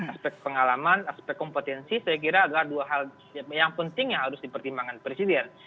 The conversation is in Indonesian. aspek pengalaman aspek kompetensi saya kira adalah dua hal yang penting yang harus dipertimbangkan presiden